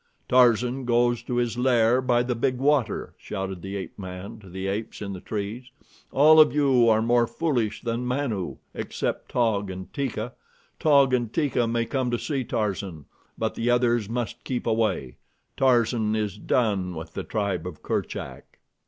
"Tarzan goes to his lair by the big water," shouted the ape man to the apes in the trees. "All of you are more foolish than Manu, except Taug and Teeka. Taug and Teeka may come to see Tarzan; but the others must keep away. Tarzan is done with the tribe of Kerchak."